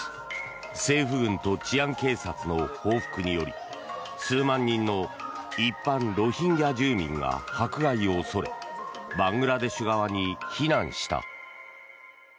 政府軍と治安警察の報復により数万人の一般ロヒンギャ住民が迫害を恐れバングラデシュ側に避難した。